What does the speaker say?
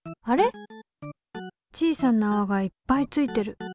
小さなあわがいっぱいついてる！